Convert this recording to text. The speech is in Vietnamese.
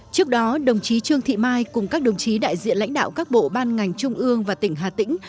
trước đó đồng chí trương thị mai cùng các đồng chí đại diện lãnh đạo các bộ ban ngành trung ương và tỉnh hà tĩnh